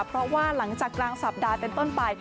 เพราะว่าหลังจากกลางสัปดาห์เป็นต้นไป